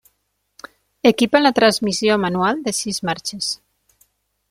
Equipa la transmissió manual de sis marxes.